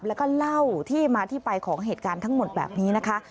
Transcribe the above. แล้วก็เล่าที่มาที่ไปของเหตุการณ์ทั้งหมดแบบนี้นะคะ